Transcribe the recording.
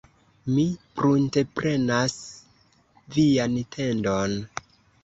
Mi prunteprenas vian tendon.